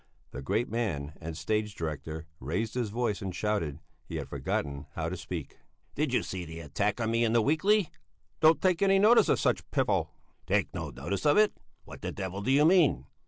The great man and stage director raised his voice and shouted he had forgotten how to speak: "Did you see the attack on me in the Weekly?" "Don't take any notice of such piffle." "Take no notice of it? What the devil do you mean?